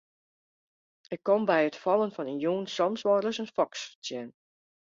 Ik kom by it fallen fan 'e jûn soms wol ris in foks tsjin.